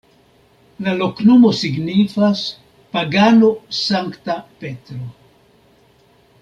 La loknomo signifas: pagano-Sankta Petro.